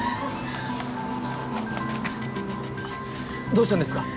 どうしたんですか？